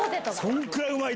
そんくらいうまい？